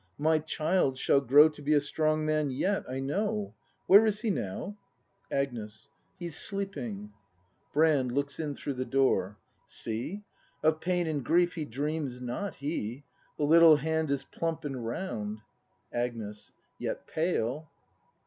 My child shall grow To be a strong man yet, I know. Where is he now ? Agnes. He's sleeping. 106 BRAND [ACT iii Brand. [Looks in through the door.] See; Of pain and grief he dreams not, he; The little hand is plump and round Agnes. Yet pale.